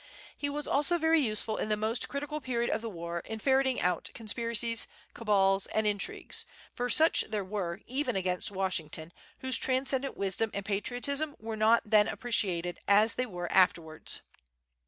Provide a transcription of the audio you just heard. He was also very useful in the most critical period of the war in ferreting out conspiracies, cabala, and intrigues; for such there were, even against Washington, whose transcendent wisdom and patriotism were not then appreciated as they were afterwards.